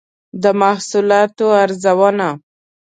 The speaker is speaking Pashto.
د محصولاتو ارزونه